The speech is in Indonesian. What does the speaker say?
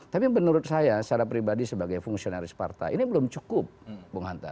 tapi menurut saya secara pribadi sebagai fungsionaris partai ini belum cukup bung hanta